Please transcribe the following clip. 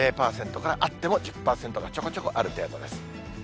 ０％から、あっても１０％がちょこちょこある程度です。